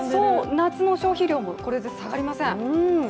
夏の消費量もこれで下がりません。